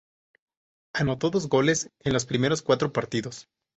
Anotó dos goles en los primeros cuatro partidos.